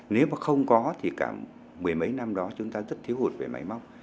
nếu mà không có thì cả mười mấy năm đó chúng ta rất thiếu hụt về máy móc